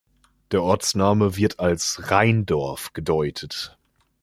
Der Ortsname wird als „Rheindorf“ gedeutet.